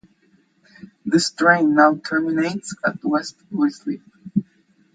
This train now terminates at West Ruislip.